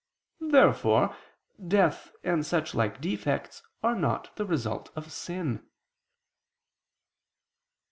Therefore death and suchlike defects are not the result of sin.